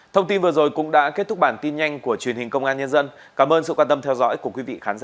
thông tin vừa rồi cũng đã kết thúc bản tin nhanh của truyền hình công an nhân dân cảm ơn sự quan tâm theo dõi của quý vị khán giả